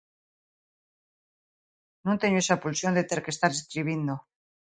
Non teño esa pulsión de ter que estar escribindo.